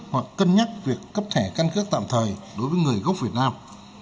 hoặc cân nhắc việc cấp thẻ căn cước tạm thời đối với người gốc việt nam